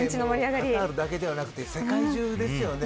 カタールだけではなくて世界中ですよね。